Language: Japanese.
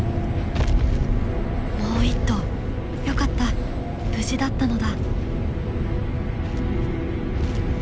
もう一頭よかった無事だったのだ。